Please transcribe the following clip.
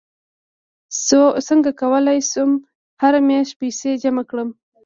څنګه کولی شم هره میاشت پیسې جمع کړم